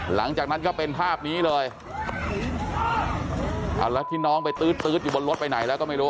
หลังจากนั้นก็เป็นภาพนี้เลยเอาแล้วที่น้องไปตื๊ดตื๊ดอยู่บนรถไปไหนแล้วก็ไม่รู้